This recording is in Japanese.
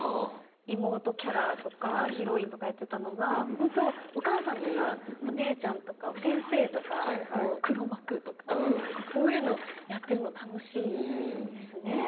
妹キャラとかヒロインとかやってたのがお母さんとかお姉ちゃんとか先生とか黒幕とかそういうのをやってるの楽しいですね。